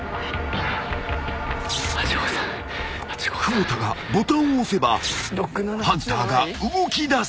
［久保田がボタンを押せばハンターが動きだす］